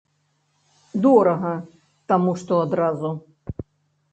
Дорага, таму што адразу.